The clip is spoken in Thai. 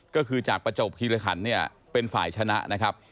ก็คือจากประจวบคิริขันเนี่ยเป็นฝ่ายชนะนะครับ